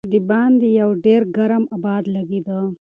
د باندې یو ډېر ګرم باد لګېده.